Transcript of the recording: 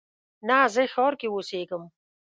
نه، زه ښار کې اوسیږم